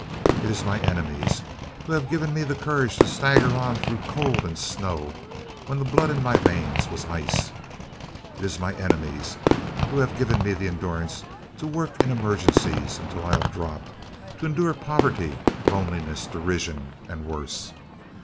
It is my enemies who have given me the courage to stagger on through cold and snow when the blood in my veins was ice. It is my enemies who have given me the endurance to work in emergencies until I have dropped; to endure poverty, loneliness, derision and worse.